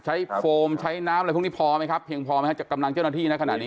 โฟมใช้น้ำอะไรพวกนี้พอไหมครับเพียงพอไหมฮะจากกำลังเจ้าหน้าที่นะขณะนี้